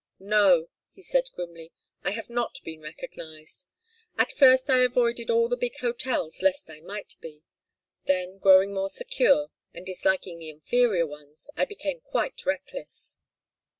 "No," he said, grimly, "I have not been recognized. At first I avoided all the big hotels, lest I might be; then growing more secure, and disliking the inferior ones, I became quite reckless.